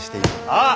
ああ！